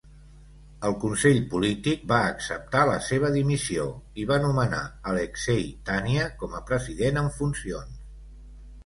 El consell polític va acceptar la seva dimissió i va nomenar Aleksei Tania com a president en funcions.